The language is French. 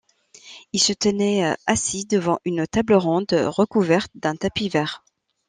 Il se tenait assis devant une table ronde, recouverte d’un tapis vert.